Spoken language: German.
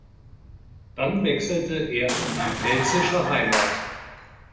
Dann wechselte er in die pfälzische Heimat.